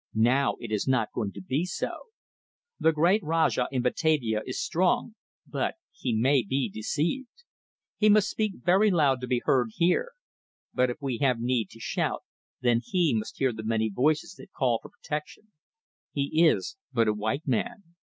Now it is not going to be so. The great Rajah in Batavia is strong, but he may be deceived. He must speak very loud to be heard here. But if we have need to shout, then he must hear the many voices that call for protection. He is but a white man."